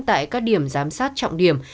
tại các điểm giám sát trọng điểm